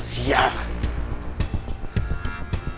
dia pasti mau ngaduk ke aldebaran